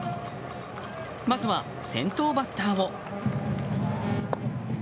まずは先頭バッターを。